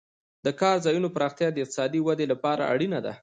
د کار ځایونو پراختیا د اقتصادي ودې لپاره اړینه ده.